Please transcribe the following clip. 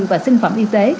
và sinh phẩm y tế